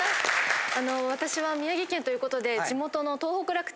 あの私は宮城県ということで地元の。